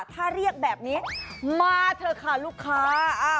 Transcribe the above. ถ้าเรียกแบบนี้มาเถอะค่ะลูกค้า